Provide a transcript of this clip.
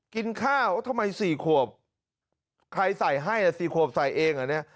กินข้าวทำไม๔ขวบใครใส่ให้๔ขวบใส่เองเหรอเนี่ย